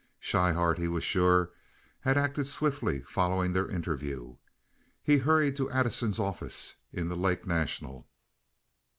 Schryhart, he was sure, had acted swiftly following their interview. He hurried to Addison's office in the Lake National.